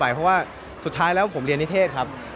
เพราะว่าสุดท้ายแล้วผมเรียนนิเทศครับ